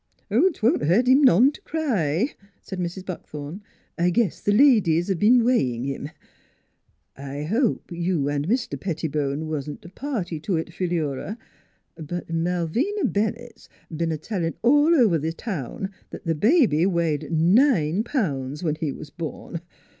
" 'Twon't hurt him none t' cry," said Mrs, Buckthorn. " I guess th' ladies 's been weighio.' NEIGHBORS 59 him. I hope you an' Mr. Pettibone wa'n't party to it, Phi lura, but Malvina Bennett's b'en a tellin' all over this town that the ba by weighed nine pounds when he was born.